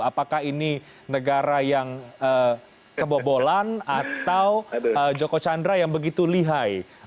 apakah ini negara yang kebobolan atau joko chandra yang begitu lihai